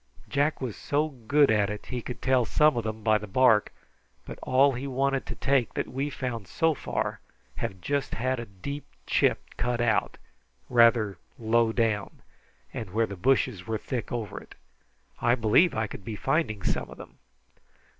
Jack was so good at it he could tell some of them by the bark, but all he wanted to take that we've found so far have just had a deep chip cut out, rather low down, and where the bushes were thick over it. I believe I could be finding some of them."